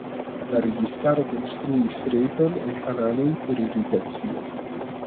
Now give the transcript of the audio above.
La registaro konstruis reton el kanaloj por irigacio.